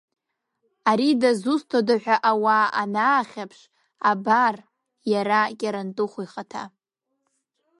Ари дызусҭда ҳәа ауаа анаахьаԥш, абар иара Кьарантыхә ихаҭа!